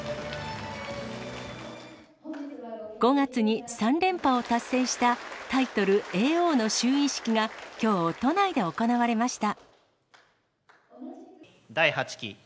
５月に３連覇を達成したタイトル、叡王の就位式がきょう都内で行われました。